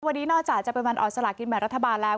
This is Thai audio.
วันนี้นอกจากจะเป็นวันออกสลากินแบ่งรัฐบาลแล้ว